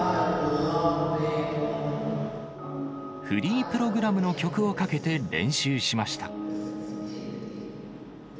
フリープログラムの曲をかけて練習しました。